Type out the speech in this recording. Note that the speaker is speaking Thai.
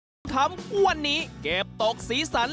มีเพลงที่ไหนมีการแดนส์ที่นั่นแน่นอน